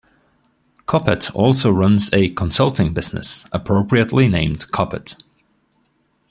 Koppett also runs a consulting business, appropriately named Koppett.